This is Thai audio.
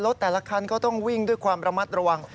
แต่ละคันก็ต้องวิ่งด้วยความระมัดระวัง